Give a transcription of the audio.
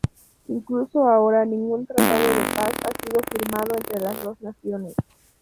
Incluso ahora, ningún tratado de paz ha sido firmado entre las dos naciones.